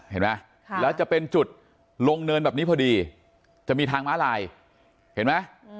เห็นไหมแล้วจะเป็นจุดลงเนินแบบนี้พอดีจะมีทางม้าลายเห็นไหม